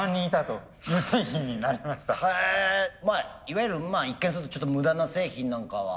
いわゆる一見するとちょっと無駄な製品なんかは。